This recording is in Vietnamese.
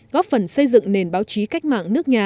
góp phần xây dựng nền báo chí cách mạng nước nhà